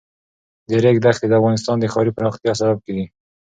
د ریګ دښتې د افغانستان د ښاري پراختیا سبب کېږي.